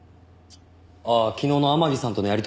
ああ昨日の天樹さんとのやりとりですか？